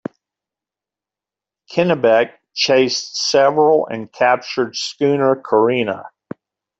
"Kennebec" chased several and captured schooner "Corina".